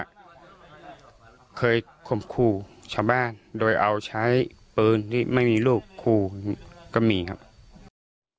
เผาเคยคุณกูเช่าด้วยเอาใช้ปืนที่มีรูปขุตามีกรู